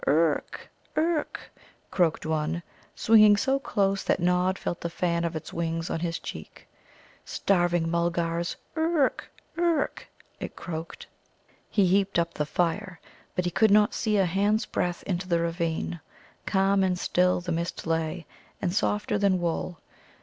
"Urrckk, urck!" croaked one, swinging so close that Nod felt the fan of its wings on his cheek. "Starving Mulgars, urrckk, urck!" it croaked. He heaped up the fire. But he could not see a hand's breadth into the ravine. Calm and still the mist lay, and softer than wool.